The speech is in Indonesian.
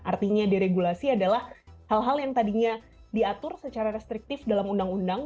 artinya deregulasi adalah hal hal yang tadinya diatur secara restriktif dalam undang undang